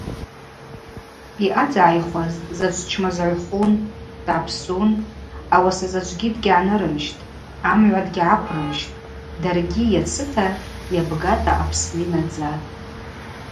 Йъадзагӏайхуаз заджв дчмазагӏвхун, дгӏапсун, ауаса заджвгьи дгьгӏанырмыжьтӏ, амгӏва дгьгӏакврымжьтӏ, даргьи йацыта, йабгата Апсны йнадзатӏ.